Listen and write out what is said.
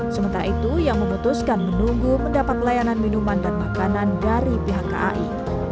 sementara itu yang memutuskan menunggu mendapat layanan minuman dan makanan dari pihak kai